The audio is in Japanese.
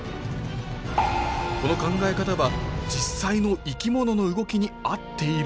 この考え方は実際の生き物の動きにあっているのか？